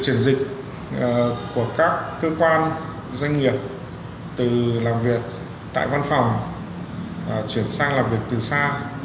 chuyển dịch của các cơ quan doanh nghiệp từ làm việc tại văn phòng chuyển sang làm việc từ xa